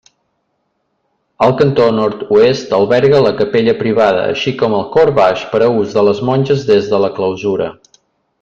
El cantó nord-oest alberga la capella privada, així com el cor baix per a ús de les monges des de la clausura.